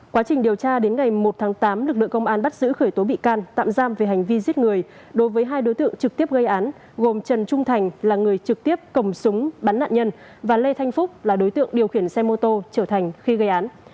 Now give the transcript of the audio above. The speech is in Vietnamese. quá trình điều tra đến ngày một tháng tám lực lượng công an bắt giữ khởi tố bị can tạm giam về hành vi giết người đối với hai đối tượng trực tiếp gây án gồm trần trung thành là người trực tiếp cầm súng bắn nạn nhân và lê thanh phúc là đối tượng điều khiển xe mô tô trở thành khi gây án